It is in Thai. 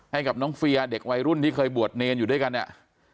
ให้กับน้องเฟียร์เด็กวัยรุ่นที่เคยบวชเนรอยู่ด้วยกันเนี่ย